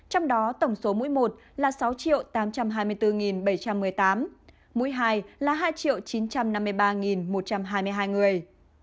trong đó tổng số mũi một là sáu tám trăm hai mươi bốn bảy trăm một mươi tám mũi hai là hai chín trăm năm mươi ba một trăm hai mươi hai người